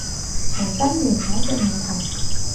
從根源解決問題